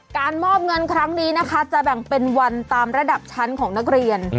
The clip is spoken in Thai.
การมอบเงินครั้งนี้นะคะจะแบ่งเป็นวันตามระดับชั้นของนักเรียน